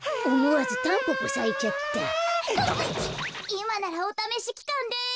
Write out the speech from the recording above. いまならおためしきかんです。